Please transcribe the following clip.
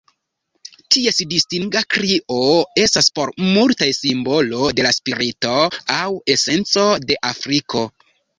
Ties distinga krio estas, por multaj, simbolo de la spirito aŭ esenco de Afriko.